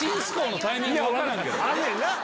あるねんな！